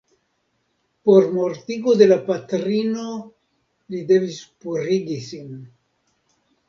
Por mortigo de la patrino li devis purigi sin.